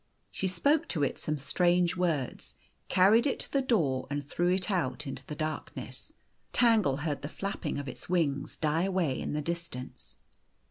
She spoke to it some strange words, carried it to the door, and threw it out into the darkness. The Golden Key 187 Tangle heard the flapping of its wings die away in the distance.